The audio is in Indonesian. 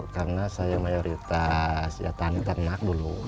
karena saya mayoritas ya tanik tenak dulu